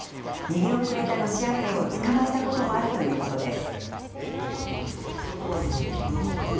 逃げ遅れたロシア兵を捕まえたこともあるということです。